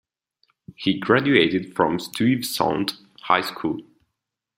He graduated from Stuyvesant High School.